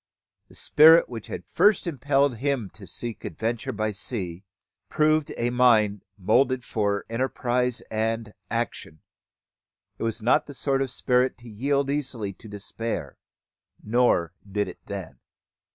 The spirit which had first impelled him to seek adventure by sea, proved a mind moulded for enterprise and action. It was not the sort of spirit to yield easily to despair; nor did it then.